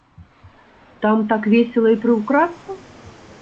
Там так весела і прыўкрасна?